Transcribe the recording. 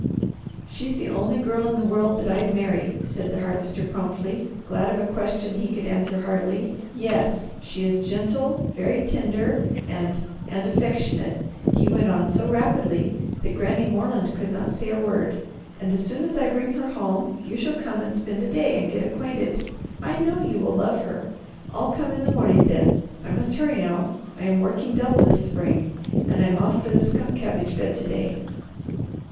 "She's the only girl in the world that I'd marry," said the Harvester promptly, glad of a question he could answer heartily. "Yes. She is gentle, very tender and and affectionate," he went on so rapidly that Granny Moreland could not say a word, "and as soon as I bring her home you shall come to spend a day and get acquainted. I know you will love her! I'll come in the morning, then. I must hurry now. I am working double this spring and I'm off for the skunk cabbage bed to day."